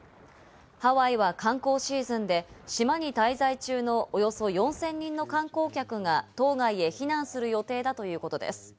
ハワイは観光シーズンで島に滞在中のおよそ４０００人の観光客が島外へ避難する予定だということです。